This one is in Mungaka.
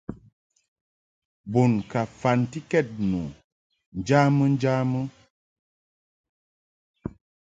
Bun ka mfantikɛd nu njamɨ njamɨ.